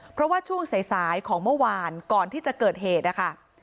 เพราะว่าช่วงสายของเมื่อวานก่อนที่จะเกิดเหตุนะคะ